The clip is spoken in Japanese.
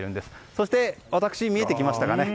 そして私、見えてきましたかね。